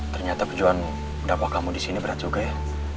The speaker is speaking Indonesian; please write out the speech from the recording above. ternyata kejuan mudapah kamu di sini berat juga ya